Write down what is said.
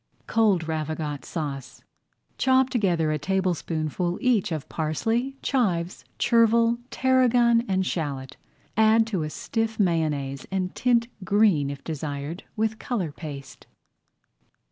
COLD RAVIGOTE SAUCE Chop together a tablespoonful each of parsley, chives, chervil, tarragon, and shallot. Add to a stiff mayonnaise and tint green, if desired, with color paste.